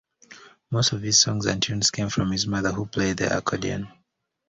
Many of his songs and tunes came from his mother who played the accordion.